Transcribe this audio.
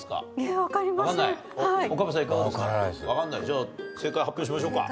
じゃあ正解発表しましょうか。